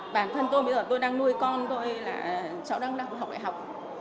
bản thân tôi bây giờ tôi đang nuôi con thôi là cháu đang học đại học